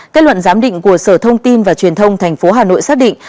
kết luận giám định của sở thông tin và truyền thông tp hà nội xác định